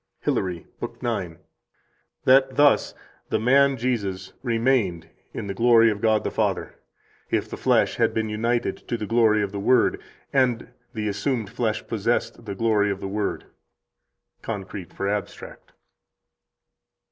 77 HILARY, lib. 9 (p. 136): "That thus the man Jesus remained in the glory of God the Father, if the flesh had been united to the glory of the Word, and the assumed flesh possessed the glory of the Word." (Concrete for abstract.)